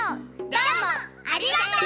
どうもありがとう！